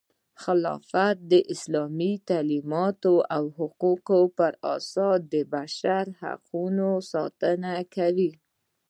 خلافت د اسلامي تعلیماتو او اصولو پراساس د بشر حقونو ساتنه کوي.